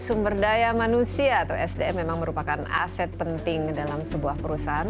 sumber daya manusia atau sdm memang merupakan aset penting dalam sebuah perusahaan